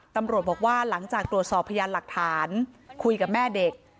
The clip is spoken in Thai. ตำรวจบอกว่าหลังจากตรวจสอบพยานหลักฐานคุยกับแม่เด็ก